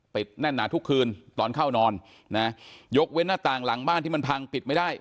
แน่นหนาทุกคืนตอนเข้านอนนะยกเว้นหน้าต่างหลังบ้านที่มันพังปิดไม่ได้